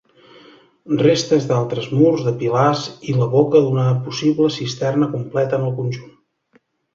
Restes d'altres murs, de pilars i la boca d'una possible cisterna completen el conjunt.